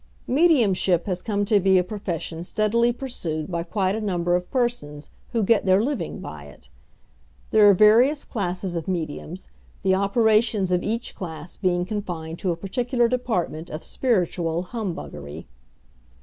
Mediumship has come to be a profession steadily pursued by quite a number of persons, who get their living by it. There are various classes of "mediums," the operations of each class being confined to a particular department of "spiritual" humbuggery.